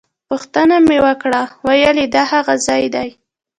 پوښتنه مې وکړه ویل یې دا هغه ځای دی.